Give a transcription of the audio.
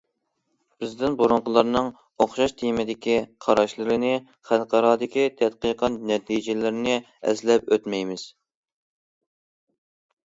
بىزدىن بۇرۇنقىلارنىڭ ئوخشاش تېمىدىكى قاراشلىرىنى، خەلقئارادىكى تەتقىقات نەتىجىلىرىنى ئەسلەپ ئۆتمەيمىز.